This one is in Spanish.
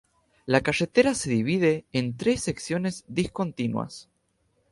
La carretera se divide en tres secciones discontinuas.